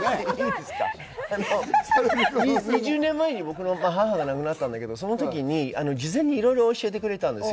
２０年前に僕の母が亡くなったけど、その時に事前にいろいろ教えてくれたんです。